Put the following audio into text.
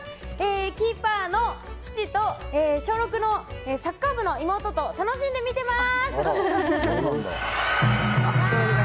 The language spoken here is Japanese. キーパーの父と小６のサッカー部の妹と楽しんで見てます！